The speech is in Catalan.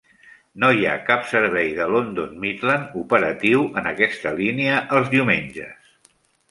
No hi ha cap servei de London Midland operatiu en aquesta línia els diumenges.